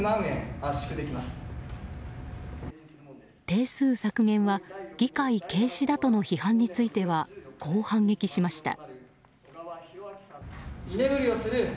定数削減は議会軽視だとの批判についてはこう反撃しました。